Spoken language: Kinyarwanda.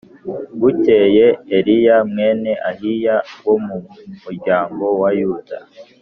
Bukeye eliya mwene Ahiya wo mu muryango wa yuda